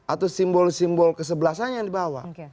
atau simbol simbol kesebelasannya yang dibawa